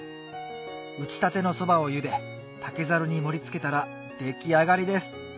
打ちたてのそばをゆで竹ザルに盛り付けたら出来上がりです